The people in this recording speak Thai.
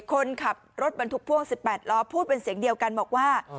คนขับรถบรรทุกพ่วง๑๘ล้อพูดเป็นเสียงเดียวกันบอกว่า